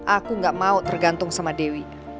aku gak mau tergantung sama dewi